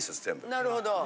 なるほど。